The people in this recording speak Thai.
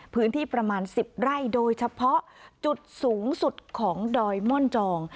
พื้นที่ประมาณ๑๐ไร่โดยเฉพาะจุดสูงสุดของดอยม่อนจอง